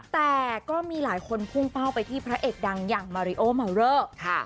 แต่ก็มีหลายคนพุ่งเป้าไปที่พระเอกดังอย่างมาริโอมาวเลอร์ค่ะ